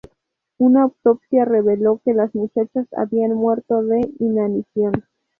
Una autopsia reveló que las muchachas habían muerto de inanición.